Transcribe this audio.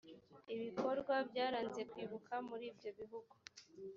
ibikorwa byaranze kwibuka muri ibyo bihugu